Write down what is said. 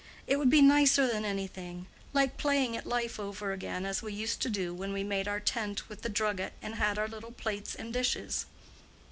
It would be nicer than anything—like playing at life over again, as we used to do when we made our tent with the drugget, and had our little plates and dishes."